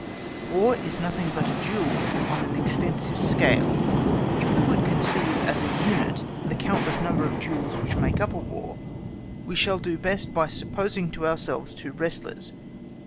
War is nothing but a duel on an extensive scale. If we would conceive as a unit the countless number of duels which make up a War, we shall do so best by supposing to ourselves two wrestlers.